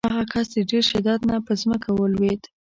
هغه کس د ډېر شدت نه په ځمکه ولویېد.